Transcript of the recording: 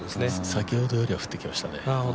先ほどよりは降ってきましたね。